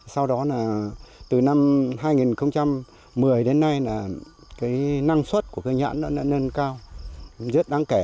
sau đó từ năm hai nghìn một mươi đến nay năng suất của cây nhãn đã nâng cao rất đáng kể